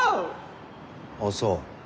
あっそう。